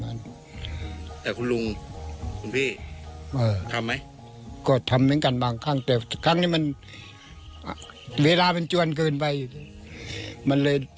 ทำไหมก็ทำงั้นการบางขั้งแต่คลั้งนี้มันเวลาเป็นจารย์กินไว้มันเลย